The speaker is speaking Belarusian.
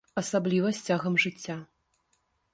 Асабліва з цягам жыцця.